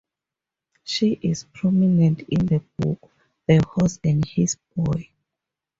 She is prominent in the book "The Horse and His Boy".